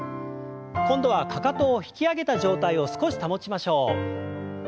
今度はかかとを引き上げた状態を少し保ちましょう。